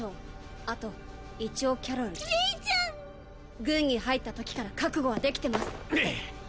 あと一応キャロルレイちゃん軍に入ったときから覚悟はできてます